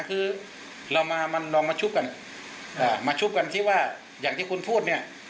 คือมาชุบกันที่ว่าอย่างที่คุณพูด